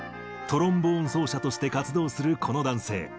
トロンボーン奏者として活動するこの男性。